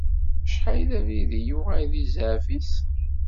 Acḥal d abrid i yuɣal di zzɛaf-is.